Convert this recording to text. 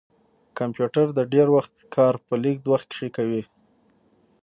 کمپیوټر د ډير وخت کار په لږ وخت کښې کوي